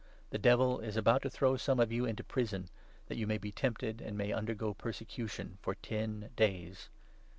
The Devil is about to throw some of you into prison, that you may be tempted, and may undergo persecution for ten days.